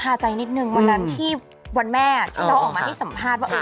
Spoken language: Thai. ขาใจนิดนึงนั้นที่มันแม่ชู้เขาออกมาที่สัมภาษณ์ว่า